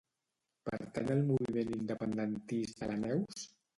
Pertany al moviment independentista la Neus?